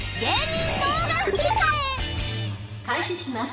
「開始します」